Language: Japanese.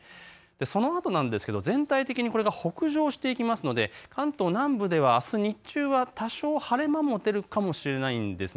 そのあとですが全体的にこれが北上していきますので関東南部ではあす日中は多少晴れ間も出るかもしれないんです。